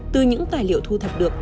từ những tài liệu thu thập được